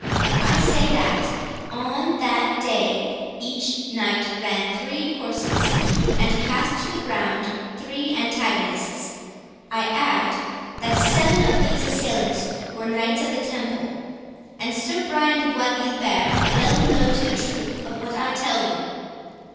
I say that, on that day, each knight ran three courses, and cast to the ground three antagonists. I add, that seven of these assailants were Knights of the Temple—and Sir Brian de Bois Guilbert well knows the truth of what I tell you."